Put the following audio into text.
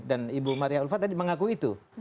dan ibu maria ufa tadi mengaku itu